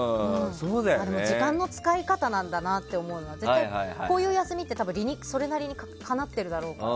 時間の使い方だなって思うのが絶対、こういう休みってそれなりに理にかなっているだろうから。